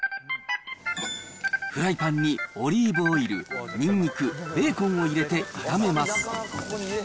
フライパンにオリーブオイル、ニンニク、ベーコンを入れて炒めます。